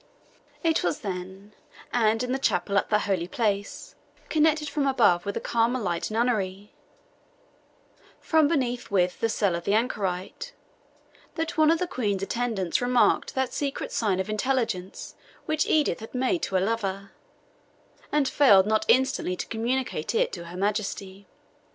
It was then, and in the chapel at that holy place, connected from above with a Carmelite nunnery, from beneath with the cell of the anchorite, that one of the Queen's attendants remarked that secret sign of intelligence which Edith had made to her lover, and failed not instantly to communicate it to her Majesty.